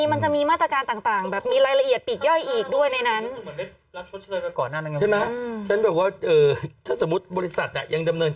มันจะมีมาตรการต่างแบบมีรายละเอียดปีกย่อยอีกด้วยในนั้น